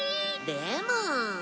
でも。